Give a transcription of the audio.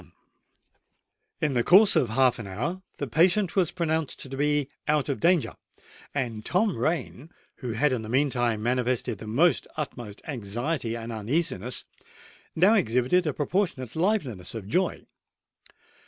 In the course of half an hour the patient was pronounced to be out of danger; and Tom Rain, who had in the meantime manifested the utmost anxiety and uneasiness, now exhibited a proportionate liveliness of joy.